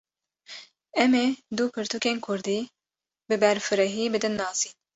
Em ê du pirtûkên Kurdî, bi berfirehî bidin nasîn